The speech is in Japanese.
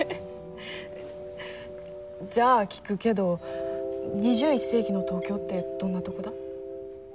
じゃあ聞くけど２１世紀の東京ってどんなとこだ？